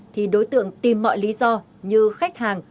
thì đối tượng tìm mọi lý do như khách hàng